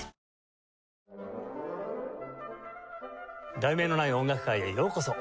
『題名のない音楽会』へようこそ。